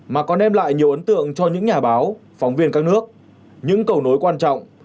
mà còn đem lại nhiều ấn tượng cho những nhà báo phóng viên các nước những cầu nối quan trọng